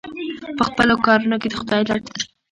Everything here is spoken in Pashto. په خپلو کارونو کې د خدای لټ دی.